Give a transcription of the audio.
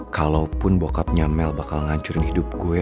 kalaupun bokapnya mel bakal ngancurin hidup gue